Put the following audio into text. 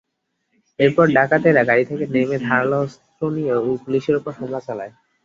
এরপর ডাকাতেরা গাড়ি থেকে নেমে ধারালো অস্ত্র নিয়ে পুলিশের ওপর হামলা চালায়।